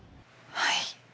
はい。